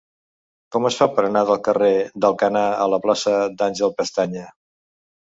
Com es fa per anar del carrer d'Alcanar a la plaça d'Àngel Pestaña?